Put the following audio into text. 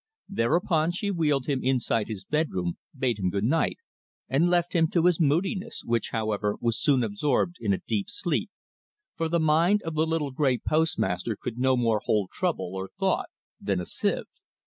Thereupon she wheeled him inside his bedroom, bade him good night, and left him to his moodiness, which, however, was soon absorbed in a deep sleep, for the mind of the little grey postmaster could no more hold trouble or thought than a sieve.